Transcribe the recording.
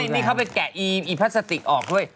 นี่เขาไปแกะอีพลาสติกออกด้วย